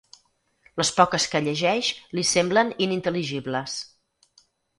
Les poques que llegeix li semblen inintel·ligibles.